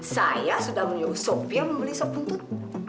saya sudah menyuruh sofya membeli sok buntut